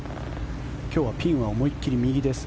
今日はピンは思い切り右です。